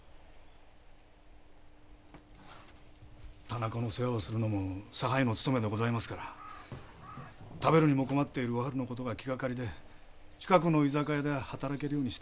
店子の世話をするのも差配のつとめでございますから食べるにも困っているおはるの事が気がかりで近くの居酒屋で働けるようにしてやったんですが。